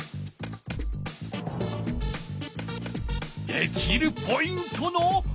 できるポイントのコピペ！